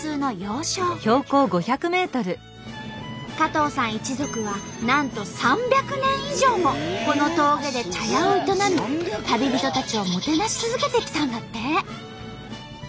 加藤さん一族はなんと３００年以上もこの峠で茶屋を営み旅人たちをもてなし続けてきたんだって。